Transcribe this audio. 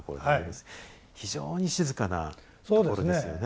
非常に静かなところですよね。